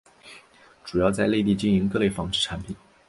主要在内地经营各类纺织产品。